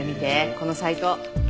このサイト。